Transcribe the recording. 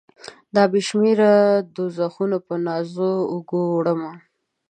دا بې شمیره دوږخونه په نازکو اوږو، وړمه